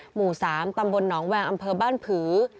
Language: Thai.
หมู่๓ตำบลหนองแวงอำเภอบ้านผือ